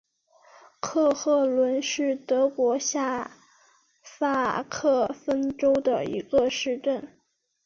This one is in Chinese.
克赫伦是德国下萨克森州的一个市镇。